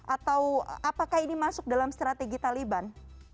atau apakah ini masuk dalam strategi taliban